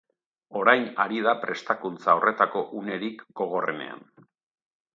Orain ari da prestakuntza horretako unerik gogorrenean.